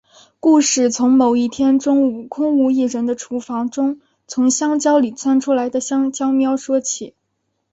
故事从某一天中午空无一人的厨房中从香蕉里钻出的香蕉喵说起。